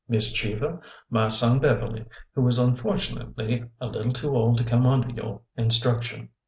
Miss Cheever, my son Beverly, who is unfortunately a little too old to come under your instruction.